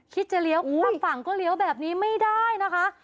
คิดจะเลี้ยวแต่ฝั่งก็เลี้ยวแบบนี้ไม่ได้นะคะ